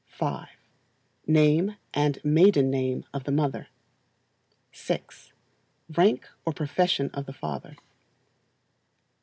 5. Name and maiden name of the mother. 6. Rank or profession of the father.